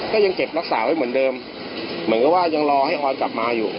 ก็ยังเก็บรักษาไว้เหมือนเดิมเหมือนกับว่ายังรอให้ออนกลับมาอยู่